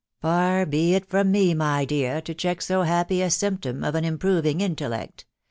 Far be it from me, my dear, to check so "happy a symptom of an im proving intellect